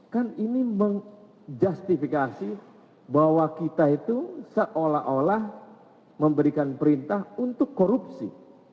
kan ini menjustifikasi bahwa kita itu seolah olah memberikan perintah untuk korupsi